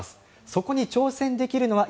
そこに挑戦できるのは